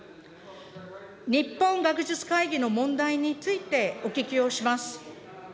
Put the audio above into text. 日本学術会議の問題についてお聞きをします。